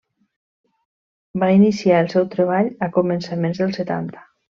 Va iniciar el seu treball a començaments dels setanta.